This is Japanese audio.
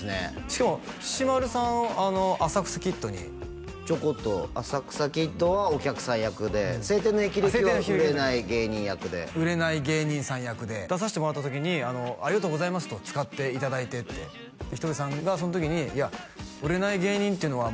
しかもしし丸さんを「浅草キッド」にちょこっと「浅草キッド」はお客さん役で「青天の霹靂」は売れない芸人役で売れない芸人さん役で出させてもらった時に「ありがとうございます」と「使っていただいて」ってひとりさんがその時に「いや売れない芸人っていうのは」